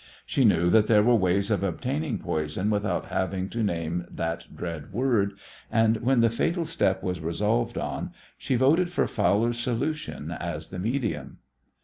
She knew that there were ways of obtaining poison without having to name that dread word, and when the fatal step was resolved on she voted for Fowler's solution as the medium.